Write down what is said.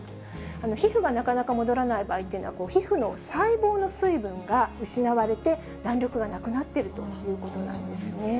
皮膚がなかなか戻らない場合というのは、皮膚の細胞の水分が失われて、弾力がなくなっているということなんですね。